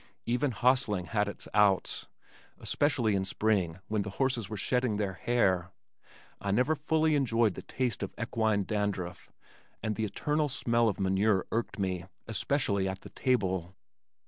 Even hostling had its "outs," especially in spring when the horses were shedding their hair. I never fully enjoyed the taste of equine dandruff, and the eternal smell of manure irked me, especially at the table.